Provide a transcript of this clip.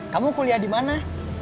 kamu kuliah di mana